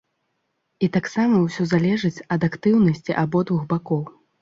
І таксама ўсё залежыць ад актыўнасці абодвух бакоў.